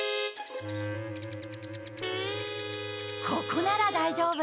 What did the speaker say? ここならだいじょうぶ。